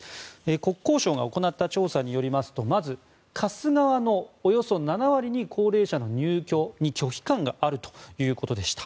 国交省が行った調査によりますとまず、貸す側のおよそ７割に高齢者の入居に拒否感があるということでした。